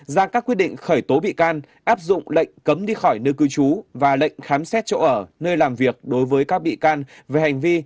ra các quyết định khởi tố bị can áp dụng lệnh cấm đi khỏi nơi cư trú và lệnh khám xét chỗ ở nơi làm việc đối với các bị can về hành vi